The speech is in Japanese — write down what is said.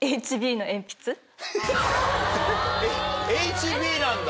ＨＢなんだ。